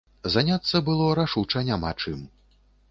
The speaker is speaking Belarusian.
Заняцца было рашуча няма чым.